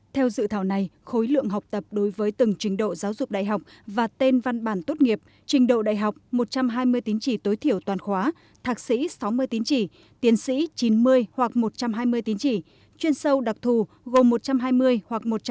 theo dự thảo này khối lượng học tập đối với từng trình độ giáo dục đại học và tên văn bản tốt nghiệp trình độ đại học một trăm hai mươi tín chỉ tối thiểu toàn khóa thạc sĩ sáu mươi tín chỉ tiến sĩ chín mươi hoặc một trăm hai mươi tín chỉ chuyên sâu đặc thù gồm một trăm hai mươi hoặc một trăm linh